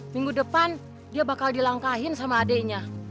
minggu depan dia bakal dilangkahin sama adiknya